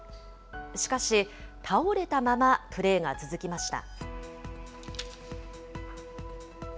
しかし倒れたままプレーが続きました。